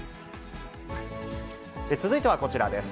続いてはこちらです。